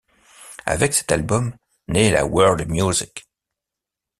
Avec cet album naît la world music.